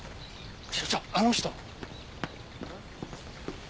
所長あの人。